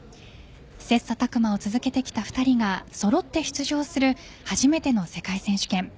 切磋琢磨を続けてきた２人がそろって出場する初めての世界選手権。